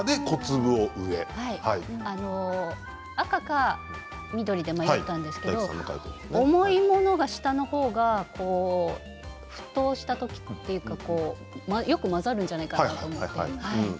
赤か緑で迷ったんですけど重いものが下のほうが沸騰したときというかよく混ざるんじゃないかなと思って。